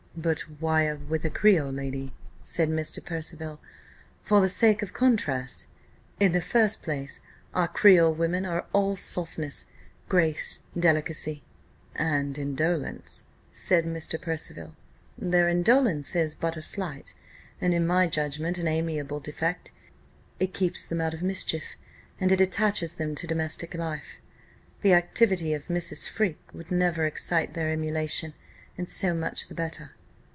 "But why with a creole?" said Mr. Percival. "For the sake of contrast, in the first place: our creole women are all softness, grace, delicacy " "And indolence," said Mr. Percival. "Their indolence is but a slight, and, in my judgment, an amiable defect; it keeps them out of mischief, and it attaches them to domestic life. The activity of a Mrs. Freke would never excite their emulation; and so much the better."